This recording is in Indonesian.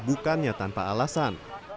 bukannya tanpa alasan